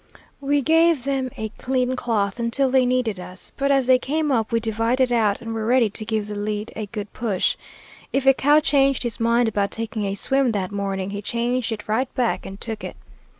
We gave them a clean cloth until they needed us, but as they came up we divided out and were ready to give the lead a good push. If a cow changed his mind about taking a swim that morning, he changed it right back and took it.